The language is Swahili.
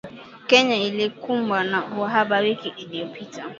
Kenya ilikumbwa na uhaba wiki iliyopita